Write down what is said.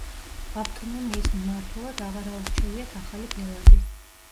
ავტონომიის მმართველად აღარ აურჩევიათ ახალი ბელადი.